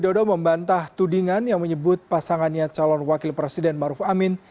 yang menyebut pasangannya calon wakil presiden maruf amin yang menyebut pasangannya calon wakil presiden maruf amin